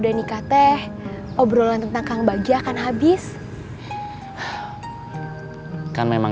jangan lupa untuk saking